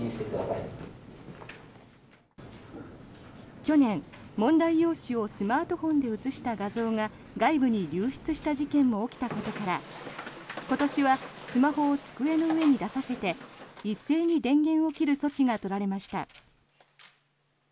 去年、問題用紙をスマートフォンで写した画像が外部に流出した事件も起きたことから今年はスマホを机の上に出させて一斉に電源を切る措置が取られました。